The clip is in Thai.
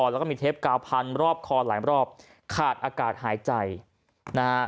แล้วก็มีเทปกาวพันรอบคอหลายรอบขาดอากาศหายใจนะฮะ